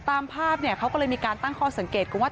ตามภาพเขาก็เลยมีการตั้งข้อสังเกตกันว่า